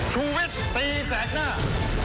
สวัสดีครับ